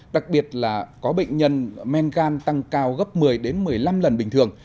đặc biệt là có bệnh nhân men gan tăng cao gấp một mươi một mươi năm lần bình thường